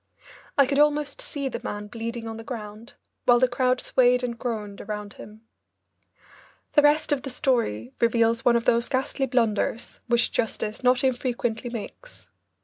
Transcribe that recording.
I could almost see the man bleeding on the ground, while the crowd swayed and groaned around him. The rest of the story reveals one of those ghastly blunders which justice not infrequently makes.